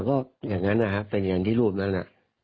ก็อย่างนั้นนะครับเป็นอย่างที่รูปนั้น